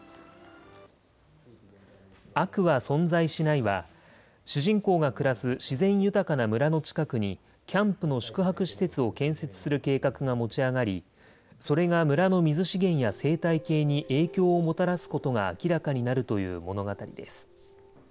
悪は存在しないは、主人公が暮らす自然豊かな村の近くに、キャンプの宿泊施設を建設する計画が持ち上がり、それが村の水資源や生態系に影響をもたらすことが明らかになるという物語です。